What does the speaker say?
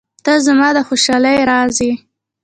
• ته زما د خوشحالۍ راز یې.